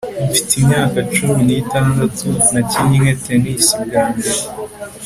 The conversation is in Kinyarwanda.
Mfite imyaka cumi nitandatu nakinnye tennis bwa mbere